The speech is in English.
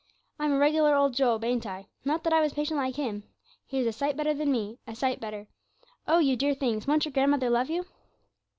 I'm a regular old Job now, ain't I? Not that I was patient, like him; he was a sight better than me a sight better. Oh, you dear things, won't your grandmother love you!'